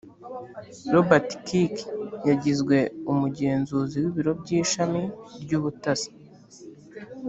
robert kirk yagizwe umugenzuzi w ibiro by ishami ry ubutasi